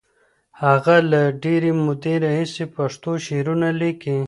هغه له ډېرې مودې راهیسې پښتو شعرونه لیکي.